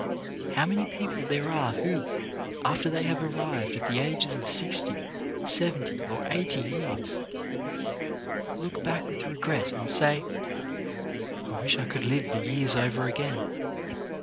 How many people there are who, after they have ar rived at the ages of sixty, seventy, or eighty years, look back with regret and say, "I wish I could live the years over again."